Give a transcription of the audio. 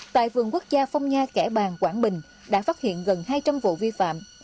tại vườn quốc gia phong nha kẻ bàng quảng bình đã phát hiện gần hai trăm linh vụ vi phạm